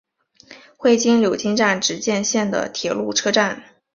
会津柳津站只见线的铁路车站。